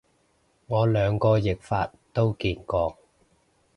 我兩個譯法都見過